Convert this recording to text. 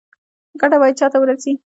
ګټه باید چا ته ورسي؟